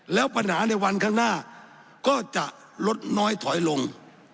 แล้วปัญหาในวันข้างหน้าก็จะลดน้อยถอยลง